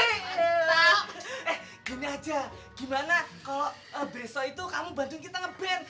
eh gini aja gimana kalo besok itu kamu bantuin kita ngeband